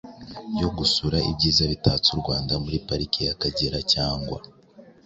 yo gusura ibyiza bitatse u Rwanda muri Pariki y’Akagera cyangwa